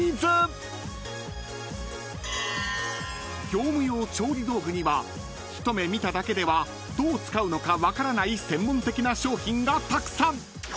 ［業務用調理道具には一目見ただけではどう使うのか分からない専門的な商品がたくさん！］